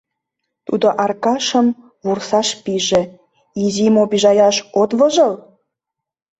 Тудо Аркашым вурсаш пиже: «Изим обижаяш от вожыл?